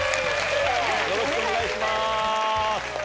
よろしくお願いします。